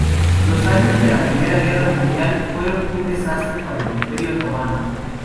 Los años de la Primera Guerra Mundial fueron un desastre para el Imperio otomano.